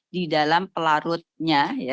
di dalam pelarutnya